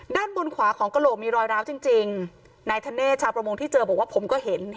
ด้านบนขวาของกระโหลกมีรอยร้าวจริงจริงนายธเนธชาวประมงที่เจอบอกว่าผมก็เห็น